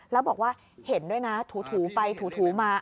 แล้วบอกว่าเห็นด้วยนะถูไปถูมา